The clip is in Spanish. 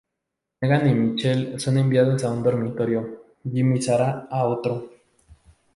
Megan y Michael son enviados a un dormitorio, Jim y Sara a otro.